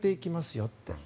よって。